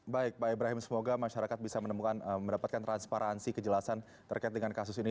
baik pak ibrahim semoga masyarakat bisa mendapatkan transparansi kejelasan terkait dengan kasus ini